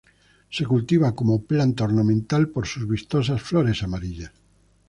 Se cultiva como planta ornamental por sus vistosas flores amarillas.